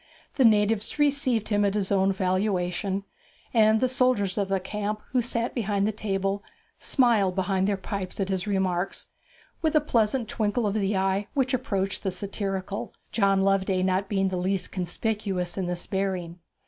The natives received him at his own valuation, and the soldiers of the camp, who sat beyond the table, smiled behind their pipes at his remarks, with a pleasant twinkle of the eye which approached the satirical, John Loveday being not the least conspicuous in this bearing.